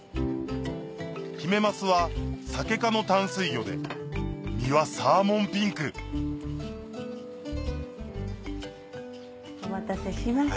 ヒメマスはサケ科の淡水魚で身はサーモンピンクお待たせしました。